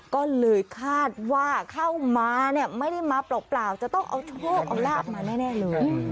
ก็เลยคาดว่าเข้ามาเนี่ยไม่ได้มาเปล่าจะต้องเอาโชคเอาลาบมาแน่เลย